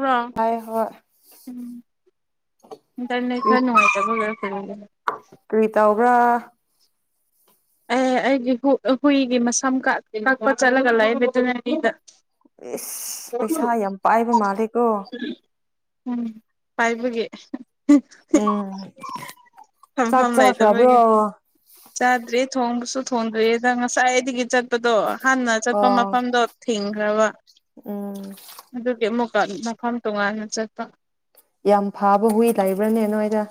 ꯋꯥ ꯍꯣꯏ ꯍꯣꯏ ꯎꯝ ꯇꯅ ꯀꯔꯤ ꯈꯅꯅꯨꯡꯉꯥꯏꯇ ꯐꯒꯔ ꯐ ꯎꯝ ꯑꯦ ꯑꯩꯒꯤ ꯍꯨꯏꯒꯤ ꯃꯁꯝ ꯀꯛꯄ ꯆꯠꯂꯒ ꯂꯩ ꯑꯗꯨꯅꯤ ꯂꯝꯕꯤꯗ ꯑꯦꯁ ꯄꯩꯁꯥ ꯌꯥꯝ ꯄꯥꯏꯕ ꯃꯥꯂꯦꯀꯣ ꯎꯝ ꯄꯥꯏꯕꯒꯤ ꯎꯝ ꯆꯥꯛ ꯐꯝꯐꯝꯝ ꯆꯥꯈ꯭ꯔꯕ꯭ꯔꯣ ꯂꯩꯇꯃꯣꯏꯒꯤ ꯆꯥꯗ꯭ꯔꯦ ꯊꯣꯡꯁꯨ ꯊꯣꯡꯗ꯭ꯔꯤꯦꯗ ꯉꯁꯥꯏꯗꯤꯒꯤ ꯆꯠ ꯆꯠꯄꯗꯣ ꯍꯥꯟꯅ ꯆꯠꯄ ꯑꯣ ꯃꯐꯝꯗꯣ ꯊꯤꯡꯈ꯭ꯔꯕ ꯎꯝ ꯑꯗꯨꯒꯤ ꯑꯃꯨꯛ ꯃꯐꯝ ꯇꯣꯉꯥꯟꯅ ꯆꯠꯄ ꯌꯥꯝ ꯐꯥꯕ ꯍꯨꯏ ꯂꯩꯕ꯭ꯔꯅꯦ ꯅꯣꯏꯗ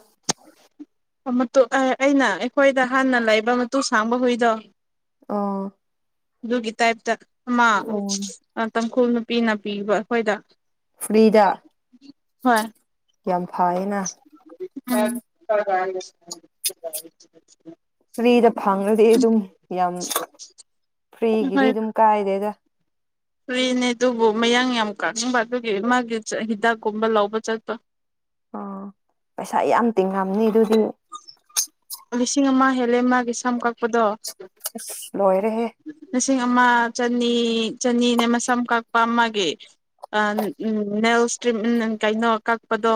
ꯑꯩꯅ ꯑꯩꯈꯣꯏꯗ ꯍꯥꯟꯅ ꯂꯩꯕ ꯃꯇꯨ ꯁꯥꯡꯕ ꯍꯨꯏꯗꯣ ꯑꯥ ꯑꯗꯨꯒꯤ ꯇꯥꯏꯞꯇ ꯑꯃ ꯇꯥꯡꯈꯨꯜ ꯅꯨꯄꯤ ꯅꯥꯄꯤꯕ ꯑꯩꯈꯣꯏꯗ ꯐ꯭ꯔꯤꯗ ꯍꯣꯏ ꯌꯥꯝ ꯐꯌꯦꯅ [unintelligible] ꯐ꯭ꯔꯤꯗ ꯐꯪꯉꯗꯤ ꯑꯗꯨꯝ ꯌꯥꯝ ꯐ꯭ꯔꯤꯒꯤꯗꯤ ꯑꯗꯨꯝ ꯀꯥꯏꯗꯦꯗ ꯐ꯭ꯔꯤꯅꯦ ꯑꯗꯨꯕꯨ ꯃꯌꯥꯡ ꯌꯥꯝ ꯀꯥꯅꯤꯡꯕ ꯑꯗꯨꯒꯤ ꯃꯥꯒꯤ ꯍꯤꯗꯥꯛꯀꯨꯝꯕ ꯂꯧꯕ ꯆꯠꯄ ꯑꯣ ꯄꯩꯁꯥ ꯌꯥꯝ ꯇꯤꯡꯉꯝꯅꯤ ꯑꯗꯨ ꯂꯤꯁꯤꯡ ꯑꯃ ꯍꯦꯜꯂꯦ ꯃꯥꯒꯤ ꯁꯝ ꯀꯛꯄꯗꯣ ꯂꯣꯏꯔꯦꯍꯦ ꯂꯤꯁꯤꯡ ꯑꯃ ꯆꯅꯤ ꯆꯅꯤꯅꯦ ꯃꯁꯝ ꯀꯛꯄ ꯃꯥꯒꯦ ꯎꯝ ꯎꯝ ꯅꯦꯜ ꯏꯁꯇ꯭ꯔꯤꯝ ꯎꯝ ꯀꯩꯅꯣ ꯀꯛꯄꯗꯣ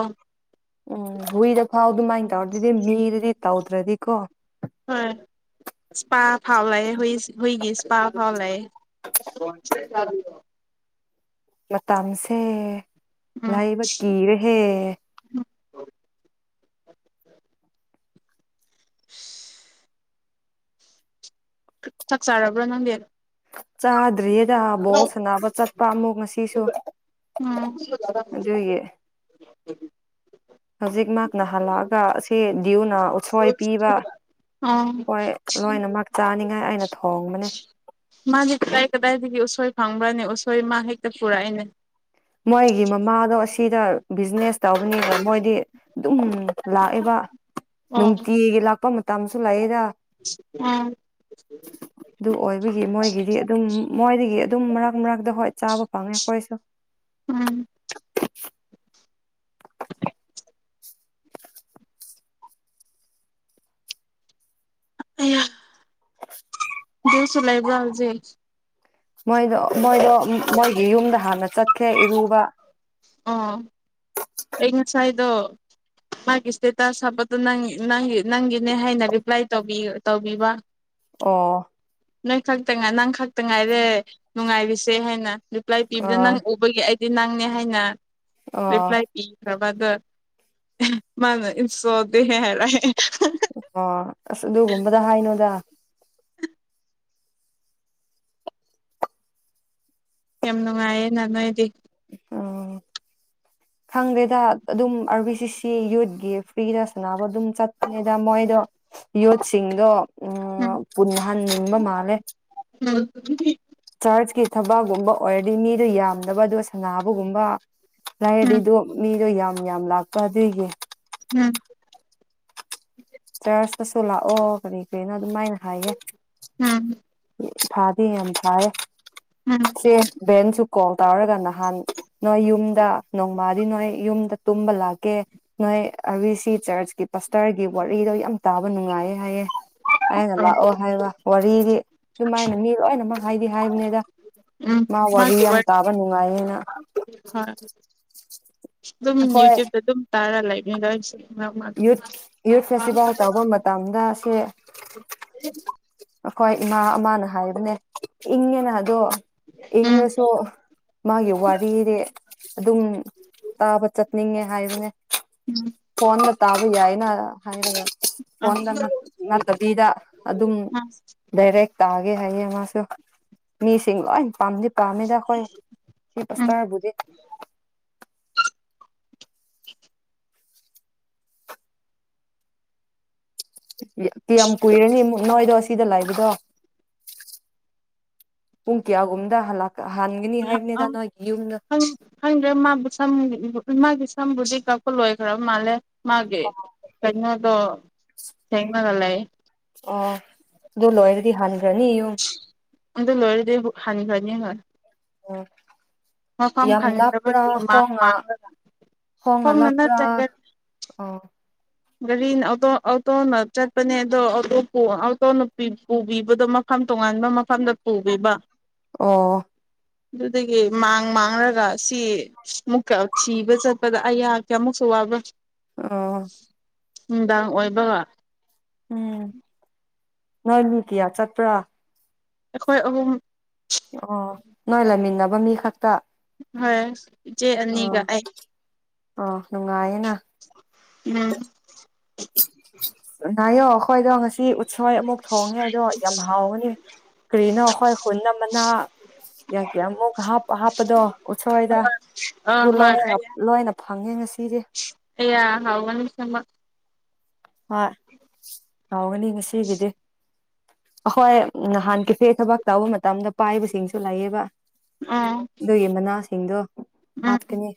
ꯎꯝ ꯍꯨꯏꯗ ꯐꯥꯎꯗ ꯃꯥꯏꯅ ꯇꯧꯔꯗꯗꯤ ꯃꯤꯔꯗꯤ ꯇꯧꯗ꯭ꯔꯗꯤꯀꯣ ꯍꯣꯏ ꯏꯁꯄꯥ ꯐꯥꯎ ꯂꯑꯦ ꯍꯨꯏ ꯍꯨꯏꯒꯤ ꯏꯁꯄꯥ ꯐꯥꯎ ꯂꯑꯦ ꯀꯣꯟꯁꯦ ꯆꯕꯤ ꯃꯇꯝꯁꯦ ꯎꯝ ꯂꯥꯏꯕ ꯀꯤꯔꯍꯦ [unintelligible] ꯆꯥꯛ ꯆꯥꯔꯕ꯭ꯔꯣ ꯅꯪꯗꯤ ꯆꯥꯗ꯭ꯔꯤꯌꯦꯗ ꯕꯣ ꯁꯅꯕ ꯆꯠꯄ ꯑꯃꯨꯛ ꯉꯁꯤꯁꯨ ꯎꯝ ꯑꯗꯨꯒꯤ ꯍꯧꯖꯤꯛ ꯃꯍꯥꯛꯅ ꯍꯜꯂꯛꯑꯒ ꯑꯁꯤ ꯭ꯌꯨꯅ ꯎꯠꯁꯣꯏ ꯄꯤꯕ ꯑꯣ ꯍꯣꯏ ꯂꯣꯏꯅꯃꯛ ꯆꯥꯅꯤꯉꯥꯏ ꯑꯩꯅ ꯊꯣꯡꯕꯅꯦ ꯃꯤ ꯀꯗꯥꯏ ꯀꯗꯥꯏꯗꯒꯤ ꯎꯁꯣꯏ ꯐꯪꯕ꯭ꯔꯅꯤ ꯎꯁꯣꯏ ꯃꯥ ꯍꯦꯛꯇ ꯄꯨꯔꯛꯏꯅꯦ ꯃꯣꯏꯒꯤ ꯃꯃꯥꯗꯣ ꯑꯁꯤꯗ ꯕꯤꯖꯤꯅꯦꯁ ꯇꯧꯕꯅꯤꯕ ꯃꯣꯏ ꯍꯥꯏꯗꯤ ꯑꯗꯨꯝ ꯂꯥꯛꯑꯦꯕ ꯑꯣ ꯅꯨꯡꯇꯤꯒꯤ ꯂꯥꯛꯄ ꯃꯇꯝꯁꯨ ꯂꯥꯛꯑꯦꯗ ꯎꯝ ꯑꯗꯨ ꯑꯣꯏꯕꯒꯤ ꯃꯣꯏꯒꯤꯗꯤ ꯑꯗꯨꯝ ꯃꯣꯏꯗꯒꯤ ꯑꯗꯨꯝ ꯃꯔꯛ ꯃꯔꯛꯇ ꯍꯣꯏ ꯆꯥꯕ ꯐꯪꯉꯦ ꯑꯩꯈꯣꯏꯁꯨ ꯎꯝ ꯑ [unintelligible] [unintelligible] ꯂꯩꯥꯏꯕ꯭ꯔꯥ ꯍꯧꯖꯤꯛ ꯃꯣꯏꯗꯣ ꯃꯣꯏꯗꯣ ꯃꯣꯏꯒꯤ ꯌꯨꯝꯗ ꯍꯥꯟꯅ ꯆꯠꯈ꯭ꯔꯦ ꯏꯔꯨꯕ ꯑꯣ ꯑꯩ ꯉꯁꯥꯏꯗꯣ ꯃꯥꯒꯤ ꯏꯁꯇꯦꯇꯥꯁ ꯍꯥꯞꯄꯗꯨ ꯅꯪ ꯅꯪꯒꯤꯅꯦ ꯍꯥꯏꯅ ꯔꯤꯄ꯭ꯂꯥꯏ ꯇꯧꯕꯤꯕ ꯑꯣ ꯅꯣ ꯈꯛꯇ ꯅꯪ ꯈꯛꯇ ꯉꯥꯏꯔꯦ ꯅꯨꯡꯉꯥꯏꯔꯤꯁꯦ ꯍꯥꯏꯅ ꯔꯤꯄ꯭ꯂꯥꯏ ꯑ ꯄꯤꯕꯗ ꯅꯪ ꯎꯕꯒꯤ ꯑꯩ ꯗꯤ ꯅꯪꯅꯦ ꯍꯥꯏꯅ ꯑ ꯔꯤꯄ꯭ꯂꯥꯏ ꯑꯣ ꯄꯤꯈ꯭ꯔꯕ ꯗ ꯃꯥ ꯏꯁꯨ ꯗꯦꯍꯦ ꯍꯥꯏꯔ [unintelligible] ꯑꯣ ꯑꯁ ꯑꯗꯨꯒꯝꯕꯗ ꯍꯥꯏꯅꯣꯗ ꯌꯝ ꯅꯨꯡꯉꯥꯏꯌꯦꯅ ꯅꯣꯏꯗꯤ ꯑꯣ ꯈꯪꯗꯦꯗ ꯑꯗꯨꯝ ꯑꯥꯔꯕꯤ ꯁꯤ ꯁꯤ ꯌꯨꯠꯒꯤ ꯐ꯭ꯔꯤꯗ ꯁꯥꯟꯅꯕ ꯑꯗꯨꯝ ꯆꯠꯇꯄꯅꯤꯗ ꯃꯣꯏ ꯑꯩꯗꯣ ꯌꯣꯠꯁꯤꯡꯗꯣ ꯎꯝ ꯄꯨꯟꯍꯟꯅꯤꯡꯕ ꯃꯥꯜꯂꯦ ꯎꯝ ꯆꯔꯆꯀꯤ ꯊꯕꯛꯒꯨꯝꯕ ꯑꯣꯏꯔꯗꯤ ꯃꯤꯗꯣ ꯌꯥꯝꯗꯕ ꯑꯗꯨꯒ ꯁꯅꯥꯕꯒꯨꯝꯕ ꯎꯝ ꯃꯤꯗꯣ ꯌꯥꯝ ꯌꯥꯝ ꯂꯥꯛꯄ ꯑꯗꯨꯏꯒꯤ ꯎꯝ ꯆꯔꯆꯇꯁꯨ ꯂꯥꯛꯑꯣ ꯀꯔꯤ ꯀꯔꯤꯅꯣ ꯑꯗꯨꯃꯥꯏꯅ ꯍꯥꯏꯌꯦ ꯎꯝ ꯎꯝ ꯊꯥꯗꯤ ꯌꯥꯝ ꯊꯥꯌꯦ ꯎꯝ ꯆꯦꯆ ꯕꯦꯟꯁꯨ ꯀꯣꯜ ꯇꯧꯔꯒ ꯅꯍꯥꯟ ꯅꯣꯏ ꯌꯨꯝꯗ ꯅꯣꯡꯃꯗꯤ ꯅꯣꯏ ꯌꯨꯝꯗ ꯇꯨꯝꯕ ꯂꯥꯛꯀꯦ ꯅꯣꯏ ꯑ ꯕꯤ ꯁꯤ ꯆꯔꯆꯀꯤ ꯄꯁꯇꯔꯒꯤ ꯋꯥꯔꯤꯗꯣ ꯌꯥꯝ ꯇꯥꯕ ꯅꯨꯡꯉꯥꯏꯌꯦ ꯍꯥꯏꯌꯦ ꯑꯩꯅ ꯎꯝ ꯂꯥꯛꯑꯣ ꯍꯥꯏꯕ ꯋꯥꯔꯤꯗꯤ ꯑꯗꯨꯃꯥꯏꯅ ꯃꯤ ꯂꯣꯏꯅꯃꯛ ꯍꯥꯏꯗꯤ ꯍꯥꯏꯕꯅꯤꯗ ꯎꯝ ꯃꯥ ꯋꯥꯔꯤ ꯃꯥꯒꯤ ꯌꯥꯝ ꯇꯥꯕ ꯅꯨꯡꯉꯥꯏꯌꯦꯅ ꯍꯣꯏ ꯑꯗꯨꯝ ꯑꯩꯈꯣꯏ ꯌꯨꯇ꯭ꯌꯨꯕꯇ ꯑꯗꯨꯝ ꯇꯥꯔ ꯂꯩꯥꯛꯕꯅꯤꯗ ꯑꯩꯁꯨ ꯌꯨꯠ ꯌꯨꯠ ꯐꯦꯁꯇꯤꯚꯦꯜ ꯇꯧꯕ ꯃꯇꯝꯗ ꯁꯦ ꯑꯩꯈꯣꯏ ꯏꯃꯥ ꯑꯃꯅ ꯍꯥꯏꯕꯅꯦ ꯏꯪꯉꯦꯅ ꯑꯗꯣ ꯎꯝ ꯏꯪꯉꯁꯨ ꯃꯥꯒꯤ ꯋꯥꯔꯤꯗꯤ ꯑꯗꯨꯝ ꯇꯥꯕ ꯆꯠꯅꯤꯡꯉꯦ ꯍꯥꯏꯕꯅꯦ ꯐꯣꯟꯗ ꯇꯥꯕ ꯌꯥꯏꯅ ꯍꯥꯏꯔꯒ ꯎꯝ ꯑ ꯐꯣꯟꯗ ꯅꯠꯇꯕꯤꯗ ꯑꯗꯨꯝ ꯗꯥꯏꯔꯦꯛ ꯇꯥꯒꯦ ꯍꯥꯏꯌꯦ ꯃꯥꯁꯨ ꯃꯤꯁꯤꯡ ꯂꯣꯏ ꯄꯥꯝꯗꯤ ꯄꯥꯝꯅꯤꯗꯥ ꯑꯩꯈꯣꯏꯒꯤ ꯎꯝ ꯄꯥꯁꯇꯔꯕꯨꯗꯤ [unintelligible] ꯀꯌꯥꯝ ꯀꯨꯏꯔꯅꯤ ꯑꯃꯨꯛ ꯅꯣꯏꯗꯣ ꯑꯁꯤꯗ ꯂꯥꯏꯕꯗꯣ ꯄꯨꯡ ꯀꯌꯥꯒꯨꯝꯕꯗ ꯍꯜꯂꯛꯄ [unintelligible] ꯈꯪꯗ꯭ꯔꯦ ꯃꯥꯕꯨ ꯁꯝ ꯃꯥꯒꯤ ꯁꯝꯕꯨꯗꯤ ꯀꯛꯄ ꯂꯣꯏꯈ꯭ꯔꯕ ꯃꯥꯜꯂꯦ ꯃꯥꯒꯤ ꯀꯩꯅꯣꯗꯣ ꯊꯦꯡꯅꯔ ꯂꯩ ꯑꯣ ꯑꯗꯨ ꯂꯣꯏꯔꯗꯤ ꯍꯟ ꯑꯗꯨꯗꯣ ꯂꯣꯏꯔꯗꯤ ꯍꯟꯈ꯭ꯔꯅꯤ ꯍꯣꯏ ꯑꯣ ꯃꯐꯝ ꯌꯥꯝ ꯂꯥꯞꯄ꯭ꯔꯥ ꯈꯪꯗꯕꯒꯤ ꯃꯥꯡ ꯈꯣꯡꯅ ꯃꯥꯡꯂ ꯈꯣꯡꯅ ꯂꯥꯛꯄ꯭ꯔꯥ ꯒꯥꯔꯤꯅ ꯑꯣꯇꯣꯅ ꯆꯠꯄꯅꯦ ꯑꯗꯣ ꯑꯣꯇꯣꯅ ꯄꯨꯕꯤꯕꯗꯣ ꯃꯈꯥ ꯃꯐꯝ ꯇꯣꯉꯥꯟꯕ ꯃꯐꯝꯗ ꯄꯨꯕꯤꯕ ꯑ ꯑꯗꯨꯗꯒꯤ ꯃꯥꯡ ꯃꯥꯡꯔꯒ ꯁꯤ ꯃꯨꯛꯀ ꯊꯤ ꯆꯠꯄꯗ ꯑꯩꯍꯥꯛ ꯀꯦꯃꯨꯛꯁꯨ ꯋꯥꯕ꯭ꯔꯥ ꯑ ꯅꯨꯡꯗꯥꯡ ꯑꯣꯏꯕꯒ ꯎꯝ ꯅꯣꯏꯃꯤꯗꯤꯌꯥ ꯆꯠꯄ꯭ꯔꯥ ꯑꯩꯈꯣꯏ ꯑꯍꯨꯝ ꯑꯣ ꯅꯣꯏ ꯂꯩꯃꯤꯟꯅꯕ ꯃꯤ ꯈꯛꯇ ꯍꯣꯏ ꯏꯆꯦ ꯑꯅꯤꯒ ꯑꯩ ꯑ ꯅꯨꯡꯉꯥꯏꯌꯦꯦꯅ ꯎꯝ ꯉꯥꯌꯣ ꯑꯩꯈꯣꯏꯗꯣ ꯉꯁꯤ ꯎꯠꯁꯣꯏ ꯑꯃꯨꯛ ꯊꯣꯡꯉꯦ ꯑꯗꯣ ꯌꯥꯝ ꯍꯥꯎꯒꯅꯤ ꯀꯔꯤꯅ ꯍꯣꯏ ꯍꯣꯏꯟꯅ ꯃꯅ ꯌꯥ ꯀꯌꯥ ꯃꯨꯛ ꯍꯥꯄ ꯍꯥꯄꯗꯣ ꯎꯁꯏꯗ ꯑ ꯑꯗꯨ ꯂꯣꯏ ꯍꯣꯏ ꯂꯣꯏꯅ ꯐꯪꯉꯦ ꯉꯁꯤꯗꯤꯦ ꯍ ꯁꯃ ꯍ ꯌꯥꯥꯎꯒꯅꯤ ꯉꯁꯤꯒꯤꯗꯤ ꯑꯩꯈꯣꯏ ꯅꯍꯥꯟ ꯀꯩꯐꯦ ꯊꯕꯛ ꯇꯧꯕ ꯃꯇꯝꯗ ꯄꯥꯏꯕꯁꯤꯡꯁꯨ ꯂꯩꯌꯦꯕ ꯑꯗꯨꯒꯤ ꯃꯅꯥꯁꯤꯡꯗꯣ ꯎꯝ ꯎꯝ ꯍꯥꯞꯀꯅꯤ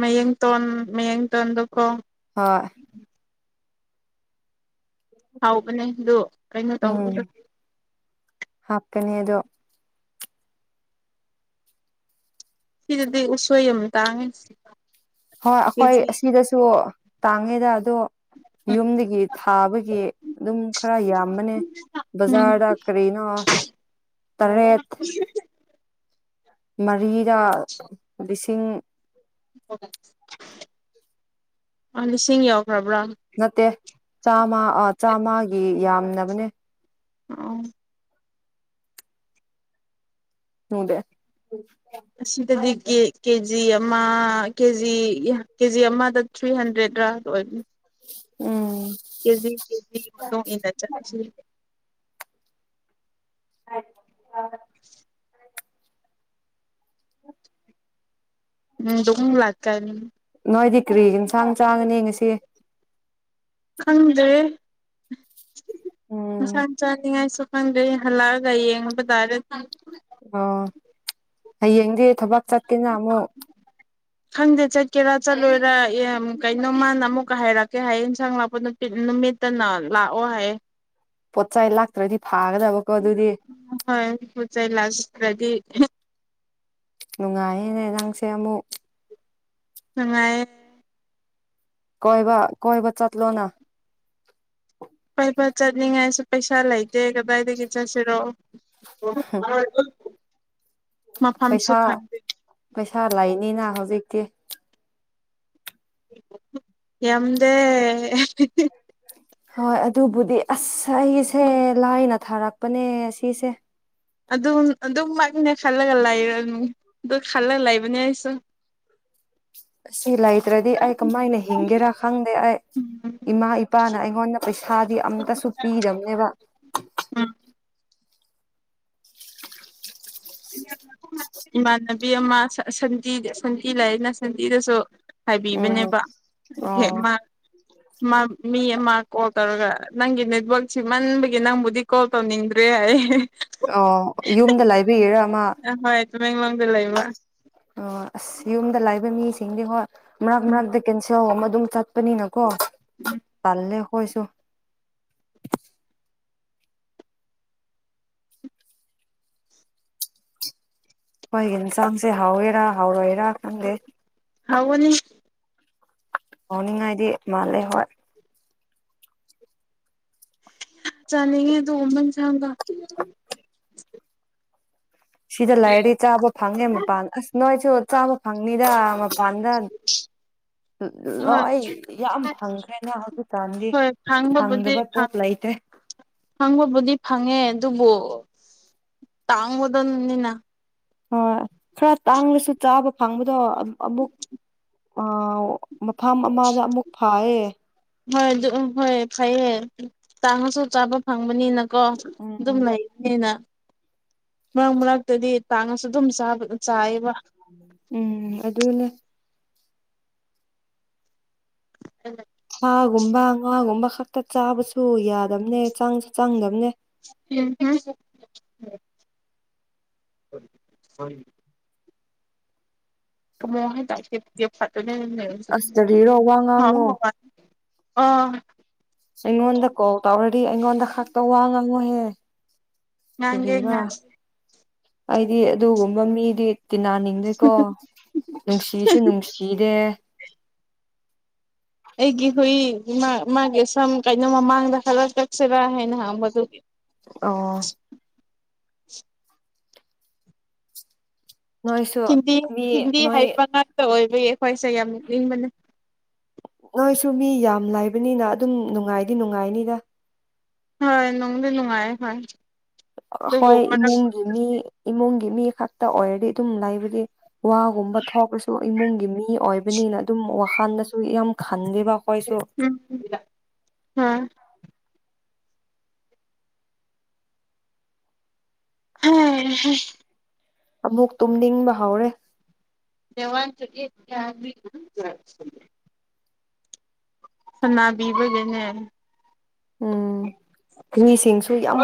ꯃꯩꯌꯦꯡ ꯇꯣꯟꯣꯟ ꯃꯌꯦꯡ ꯇꯣꯟꯟ ꯑꯣ ꯍꯣꯏ ꯍꯥꯎꯕꯅꯦ ꯑ ꯀꯩꯅꯣ ꯇꯧꯕꯗ ꯍꯥꯄꯅꯦꯗꯣ ꯁꯤꯗꯗꯤ ꯎꯁꯣꯏ ꯑꯃ ꯇꯥꯡꯉꯁꯤ ꯍꯣꯏ ꯑꯩꯈꯣꯏ ꯑꯁꯤꯗꯁꯨ ꯇꯥꯡꯉꯦꯗ ꯑꯗꯣ ꯌꯨꯝꯗꯒꯤ ꯊꯥꯕꯒꯤ ꯑꯗꯨꯝ ꯈꯔ ꯌꯥꯝꯕꯅꯦ ꯖꯥꯔ ꯀꯔꯤꯅꯥ ꯍ ꯃꯔꯤꯗ ꯂꯤꯁꯤꯡ ꯑ ꯂꯤꯁꯤꯡ ꯌꯎ ꯅꯠꯇꯦ ꯆꯥꯃ ꯆꯥꯝꯃꯒꯤ ꯌꯥꯝꯅꯕꯅꯦ ꯑ ꯍꯗ ꯑꯁꯤꯗꯗꯤ ꯀꯦꯖꯤ ꯑꯃ ꯀꯦꯖꯤ ꯀꯦꯖꯤ ꯑꯃꯗ ꯊ꯭ꯔꯤ ꯍꯟꯗ꯭ꯔꯦꯗꯔꯥ ꯑꯣꯏ ꯎꯝ ꯀꯦꯖꯤ ꯀꯦꯖꯤ ꯃꯗꯨꯣ ꯏ ꯅ ꯆꯁꯤ ꯑ ꯑ ꯎꯝ ꯗ ꯂꯥꯛꯀ ꯅꯣꯏꯗꯤ ꯀꯔꯤ ꯌꯦꯟꯁꯥꯡ ꯆꯥꯡꯉꯅꯤ ꯉꯁꯤ ꯈꯪꯗ꯭ꯔꯦ ꯏꯟꯁꯥ ꯎꯝ ꯆꯥꯅꯤꯡꯉꯥꯏꯁꯨ ꯍꯪꯒ ꯍꯜꯂꯑꯒꯏꯌꯦꯉꯔꯦ ꯑꯣ ꯍꯌꯦꯡꯗꯤ ꯊꯕꯛ ꯆꯠꯀꯦꯅ ꯑꯃꯨꯛ ꯈꯪꯗꯦ ꯆꯠꯀꯦꯔꯥ ꯆꯠꯂꯣꯏꯔꯥ ꯌꯥꯝ ꯀꯩꯅꯣ ꯃꯥꯅ ꯑꯃꯨꯛꯀ ꯍꯥꯏꯔꯛꯀꯦ ꯍꯥꯏꯌꯦ ꯌꯦꯟꯁꯥꯡ ꯂꯥꯛꯄ ꯅꯨꯄꯤ ꯅꯨꯃꯤꯠꯇꯅ ꯂꯥꯛꯑꯣ ꯍꯥꯏꯌꯦ ꯄꯣꯠ ꯆꯩ ꯂꯥꯛꯇ꯭ꯔꯗꯤ ꯐꯥꯒꯗꯕꯀꯣ ꯑꯗꯨꯗꯤ ꯍꯣꯏ ꯍꯆ ꯂꯥꯁ ꯔꯗꯤ ꯍ ꯅꯨꯡꯉꯥꯏꯌꯦꯅꯦ ꯅꯪꯁꯦ ꯑꯃꯨꯛ ꯁꯉꯥꯏ ꯀꯣꯏꯕ ꯀꯣꯏꯕ ꯆꯠꯂꯅꯥ ꯄꯥꯏꯕ ꯆꯠꯅꯤꯡꯉꯥꯏꯁꯨ ꯄꯩꯁꯥ ꯂꯩꯇꯦ ꯀꯗꯥꯏꯗꯒꯤ ꯆꯠꯁꯤꯔꯣ [unintelligible] ꯃꯐꯝꯁꯨ ꯄꯩꯁꯥ ꯈꯪꯗꯦ ꯄꯩꯁꯥ ꯂꯩꯅꯤꯅ ꯍꯧꯖꯤꯛꯇꯤ ꯌꯗꯦ ꯍꯣꯏ ꯑꯗꯨꯕꯨꯗꯤ ꯑꯁ ꯑꯩꯁꯦ ꯂꯥꯏꯅ ꯊꯥꯔꯛꯄꯅꯦ ꯑꯁꯤꯁꯦ ꯑꯗꯨꯝ ꯑꯗꯨꯝꯃꯛꯅꯦ ꯈꯜꯂꯒ ꯂꯩ ꯑꯗꯨ ꯈꯜꯂꯒ ꯂꯩꯕꯅꯦ ꯑꯩꯁꯨ ꯁꯤ ꯂꯩꯇ꯭ꯔꯗꯤ ꯑꯩ ꯀꯃꯥꯏꯅ ꯍꯤꯡꯒꯦꯔꯥ ꯈꯪꯗꯦ ꯑꯩ ꯎꯝ ꯏꯃꯥ ꯏꯄꯥꯅ ꯑꯩꯉꯣꯟꯗ ꯄꯩꯁꯥꯗꯤ ꯑꯝꯇꯁꯨ ꯄꯤꯗꯕꯅꯦꯕ ꯏꯃꯥꯟꯅꯕꯤ ꯑꯃ ꯁꯟ ꯁꯟꯊꯤ ꯂꯅ ꯁꯟꯙꯤꯗꯁꯨ ꯎꯝ ꯍꯥꯏꯕꯤꯕꯅꯦꯕ ꯑꯣꯍꯦ ꯑꯣ ꯃꯥ ꯃꯤ ꯑꯃ ꯀꯣꯜ ꯇꯧꯔꯒ ꯅꯪꯒꯤ ꯅꯦꯠꯋꯥꯛꯛꯁꯤ ꯃꯟꯕꯒꯤ ꯅꯪꯕꯨꯗꯤ ꯀꯣꯜ ꯇꯧꯅꯤꯡꯗ꯭ꯔꯦ ꯑꯩ ꯑꯣ ꯌꯨꯝꯗ ꯂꯥꯏꯕꯤ ꯏꯔ ꯑꯍꯣꯏ ꯇꯃꯦꯡꯂꯣꯡꯗ ꯂꯩꯕ꯭ꯔ ꯑꯣ ꯑꯁ ꯌꯨꯝꯗ ꯂꯥꯛꯕ ꯃꯤꯁꯤꯡꯗꯤ ꯍꯣꯏ ꯃꯔꯛ ꯎꯝ ꯃꯔꯛꯇ ꯀꯦꯟꯁꯦꯜ ꯑꯃ ꯑꯗꯨꯝ ꯆꯠꯄꯅꯤꯅ ꯀ ꯎꯝ ꯇꯜ ꯀꯣꯏꯁꯨ ꯍꯣꯏ ꯌꯦꯟꯁꯥꯡꯁꯦ ꯍꯥꯎꯋꯦꯔꯥ ꯍꯥꯎꯔꯣꯏꯔꯥ ꯈꯪꯗꯦ ꯍꯥꯎꯅꯤ ꯑꯣꯅꯤꯡꯉꯥꯏꯗꯤ ꯃꯥꯂꯦ ꯍꯣꯏ ꯆꯅꯤꯒꯦ ꯇꯃꯟ ꯆꯒ ꯁꯤꯗ ꯂꯩꯔꯗꯤ ꯆꯥꯕ ꯐꯪꯉꯦ ꯃꯄꯥꯟ ꯑꯁ ꯅꯣꯏꯁꯨ ꯆꯥꯕ ꯐꯪꯅꯤꯗ ꯗ ꯍꯣꯏ ꯂꯣꯏ ꯌꯥꯝ ꯐꯪꯈ꯭ꯔꯦꯅ ꯍꯧꯖꯤꯛꯀꯥꯟꯗꯤ ꯍꯣꯏ ꯐꯪꯗꯕ ꯄꯣꯠ ꯂꯩꯇ꯭ꯔꯦ ꯍꯪꯕꯕꯨꯗꯤ ꯐꯪꯉꯦ ꯑꯗꯨꯕꯨ ꯇꯥꯡꯒꯗꯕꯅꯤꯅ ꯍꯣꯏ ꯈꯔ ꯇꯥꯡꯂꯁꯨ ꯆꯥꯕ ꯐꯪꯕꯗꯣ ꯑꯃꯨꯛ ꯑ ꯃꯐꯝ ꯑꯃꯗ ꯑꯃꯨꯛ ꯐꯥꯌꯦꯦ ꯍꯣꯏ ꯑꯗꯨ ꯎꯝ ꯍꯣꯏ ꯐꯩꯌꯦ ꯆꯥꯡꯉꯁꯨ ꯆꯥꯕ ꯐꯪꯕꯅꯤꯅ ꯀꯣ ꯑꯗꯨꯝ ꯎꯝ ꯂꯩꯕꯅꯤꯅ ꯃꯔꯛ ꯃꯔꯛꯇꯗꯤ ꯇꯥꯡꯉꯁꯨ ꯑꯗꯨꯝ ꯆꯥꯕ ꯎꯝ ꯑꯗꯨꯅꯦ ꯁꯥꯒꯨꯝꯕ ꯉꯥꯒꯨꯝꯕ ꯈꯛꯇ ꯆꯥꯕꯁꯨ ꯌꯥꯗꯗꯝꯅꯦ ꯆꯪꯁꯨ ꯆꯪꯗꯝꯕꯅꯦ ꯎꯝ ꯁꯅꯤ ꯃꯑꯣ ꯍꯥꯏ ꯇꯥꯏꯦꯦ ꯐꯇꯅꯦ ꯑꯁ ꯀꯔꯤꯔꯣ ꯋꯥ ꯍ ꯉꯥꯡꯅꯣ ꯍ ꯑ ꯑꯩꯉꯣꯟꯗ ꯀꯣꯜ ꯇꯧꯔꯗꯤ ꯑꯩꯉꯣꯟꯗ ꯈꯛꯇ ꯋꯥ ꯉꯥꯡꯉꯨꯍꯦ ꯅꯒꯦ ꯑꯩꯗꯤ ꯑꯗꯨꯒꯨꯝꯕ ꯃꯤꯗꯤ ꯇꯤꯟꯅꯅꯤꯡꯗꯦꯀꯣ ꯅꯨꯡꯁꯤꯁꯨ ꯅꯨꯡꯁꯤꯔꯦ ꯑꯩꯒꯤ ꯍꯨꯏ ꯃꯥꯒꯤ ꯁꯝ ꯀꯩꯅꯣ ꯃꯃꯥꯡꯗ ꯍꯜꯂ ꯁꯤꯔ ꯍꯥꯏꯅꯍ ꯃꯗꯨ ꯑꯣ ꯅꯣꯏꯁꯨ ꯍꯤꯟꯗꯤ ꯃꯤ ꯍꯤꯟꯗꯤ ꯅꯣꯏ ꯍꯥꯏꯕ ꯉꯥꯛꯇ ꯑꯣꯏꯕꯒꯤ ꯑꯩꯈꯣꯏꯁꯦ ꯌꯥꯝ ꯅꯤꯡꯕꯅꯤ ꯅꯣꯏꯁꯨ ꯃꯤ ꯌꯥꯝ ꯂꯩꯥꯏꯕꯅꯤꯅ ꯑꯗꯨꯝ ꯅꯨꯡꯉꯥꯏꯗꯤ ꯅꯨꯡꯉꯥꯏꯅꯤꯅ ꯍꯣꯏ ꯅꯣꯡꯂ ꯅꯨꯡꯉꯥꯏ ꯍꯣꯏ ꯑꯗꯨꯕꯨ ꯍꯣꯏ ꯃꯔꯛ ꯏꯃꯨꯡꯒꯤ ꯃꯤ ꯏꯃꯨꯡꯒꯤ ꯃꯤ ꯈꯛꯇ ꯑꯣꯏꯔꯗꯤ ꯑꯗꯨꯝ ꯂꯩꯕꯗꯤ ꯋꯥꯒꯨꯝꯕ ꯊꯣꯛꯄꯁꯨ ꯏꯃꯨꯡꯒꯤ ꯃꯤ ꯃꯤ ꯑꯣꯏꯕꯅꯤꯅ ꯑꯗꯨꯝ ꯋꯥꯈꯜꯗꯁꯨ ꯌꯥꯝ ꯈꯟꯒꯦ ꯎꯝ ꯑꯝ ꯍꯝ ꯑꯃꯨꯛ ꯇꯨꯝ ꯅꯤꯡꯕ ꯍꯧꯥꯎꯔꯦ ꯋꯥꯟ ꯆ ꯌꯥꯦ ꯁꯅꯥꯕꯤꯕꯖꯅꯦ ꯎꯝ ꯭ꯔꯤꯁꯤꯡꯁꯨ ꯌꯥꯝ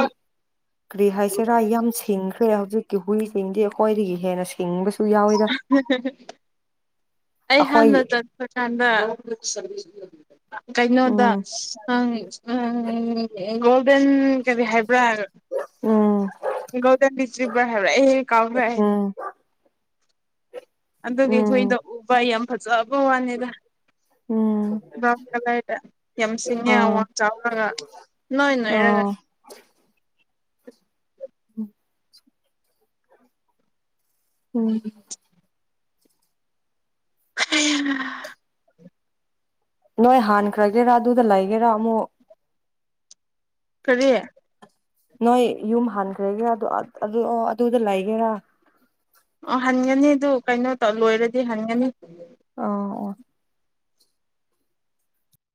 ꯀ꯭ꯔꯤ ꯍꯥꯏꯁꯤꯔꯥ ꯌꯥꯝ ꯁꯤꯡꯈ꯭ꯔꯦ ꯍꯧꯖꯤꯛꯀꯤ ꯍꯨꯏꯁꯤꯡꯗꯤ ꯑꯩꯈꯣꯏꯗꯒꯤ ꯍꯦꯟꯅ ꯁꯤꯡꯕꯁꯨ ꯌꯥꯎꯋꯤꯗ ꯍ [inaudible] ꯑꯩ ꯑꯩꯈꯣꯏ ꯍꯥꯟꯅ ꯆꯠꯄ ꯀꯥꯟꯗ ꯀꯩꯅꯣꯗ ꯎꯝ ꯎ ꯒꯣꯜꯗꯟ ꯀꯔꯤ ꯍꯥꯏꯕ꯭ꯔꯥ ꯎꯝ ꯒꯣꯜꯗꯟ ꯆ꯭ꯔꯤꯕ꯭ꯔꯥ ꯍꯥꯏꯕ꯭ꯔꯥ ꯑꯩ ꯀꯥꯎꯈ꯭ꯔꯦ ꯎꯝ ꯑꯗꯨꯒꯤ ꯎꯝ ꯍꯨꯏꯗꯣ ꯎꯕ ꯌꯥꯝ ꯐꯖꯕ ꯋꯥꯅꯤꯗ ꯎꯝ ꯕ꯭ꯔꯥꯎꯟ ꯀꯂꯔꯗ ꯌꯥꯝ ꯁꯤꯡꯉꯦ ꯑꯋꯥ ꯑꯥ ꯆꯥꯎꯔꯒ ꯅꯣꯏ ꯅꯣꯏꯔꯒ ꯑꯥ ꯎꯝ ꯍ [inaudible] ꯅꯣꯏ ꯍꯥꯟꯈ꯭ꯔꯒꯦꯔꯥ ꯑꯗꯨꯗ ꯂꯩꯒꯦꯔꯥ ꯑꯃꯨꯛ ꯀꯔꯤ ꯅꯣꯏ ꯌꯨꯝ ꯍꯟꯈ꯭ꯔꯒꯦ ꯑꯗꯨꯗ ꯂꯩꯒꯦꯔꯥ ꯑꯣ ꯍꯟꯒꯅꯤ ꯑꯗꯨ ꯀꯩꯅꯣ ꯇꯧ ꯂꯣꯏꯔꯗꯤ ꯍꯟꯒꯅꯤ ꯑꯣ